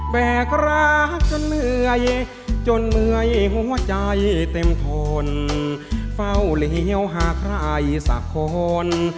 แบกรักจนเหนื่อยจนเหนื่อยหัวใจเต็มทนเฝ้าเหลียวหาใครสักคน